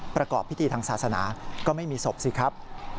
ประกอบพิธีทางศาสนาก็ไม่มีศพสิครับ